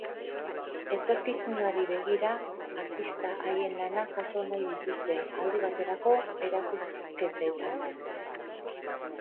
Etorkizunari begira, artista handien lanak jaso nahi dituzte, aldi baterako erakusketetan.